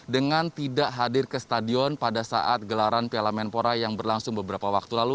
dengan tidak hadir ke stadion pada saat gelaran piala menpora yang berlangsung beberapa waktu lalu